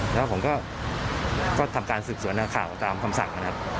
แล้วผมก็ทำการศึกษวนหน้าข่าวตามคำสั่ง